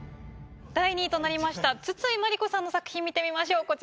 第２位となりました筒井真理子さんの作品見てみましょう。